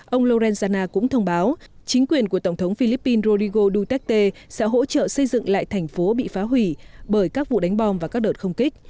ông laurenzana cũng thông báo chính quyền của tổng thống philippines rodrigo duterte sẽ hỗ trợ xây dựng lại thành phố bị phá hủy bởi các vụ đánh bom và các đợt không kích